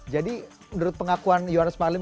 jadi menurut pengakuan yohanes malim